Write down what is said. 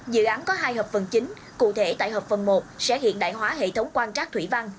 dự án có hai hợp phần chính cụ thể tại hợp phần một sẽ hiện đại hóa hệ thống quan trác thủy văn